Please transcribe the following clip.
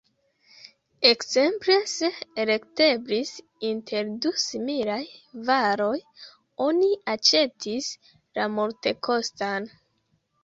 Ekzemple, se elekteblis inter du similaj varoj, oni aĉetis la multekostan.